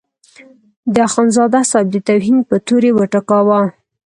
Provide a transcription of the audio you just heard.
د اخندزاده صاحب د توهین په تور یې وټکاوه.